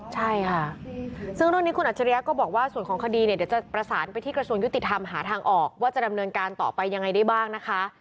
ใช่ค่ะซึ่งเรื่องนี้คุณอัจฉริยะก็บอกว่าส่วนของคดีเนี่ยเดี๋ยวจะประสานไปที่กระทรวงยุติธรรมหาทางออกว่าจะดำเนินการต่อไปยังไงได้บ้างนะคะ